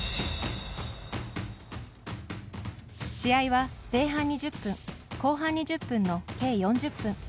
試合は前半２０分後半２０分の計４０分。